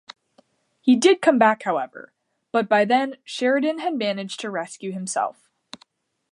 He did come back however but by then Sheridan had managed to rescue himself.